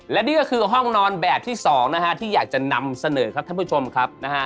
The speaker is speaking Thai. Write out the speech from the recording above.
และนี่ก็คือห้องนอนแบบที่๒นะฮะที่อยากจะนำเสนอครับท่านผู้ชมครับนะฮะ